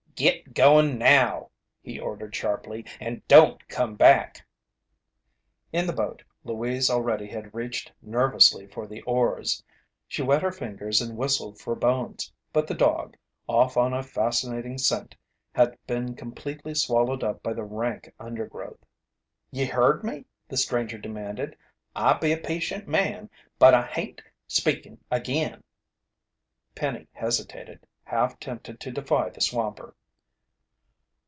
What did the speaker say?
"Git goin' now!" he ordered sharply. "And don't come back!" In the boat, Louise already had reached nervously for the oars. She wet her fingers and whistled for Bones, but the dog, off on a fascinating scent, had been completely swallowed up by the rank undergrowth. "Ye heard me?" the stranger demanded. "I be a patient man, but I hain't speakin' agin." Penny hesitated, half tempted to defy the swamper.